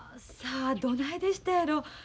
さあどないでしたやろ。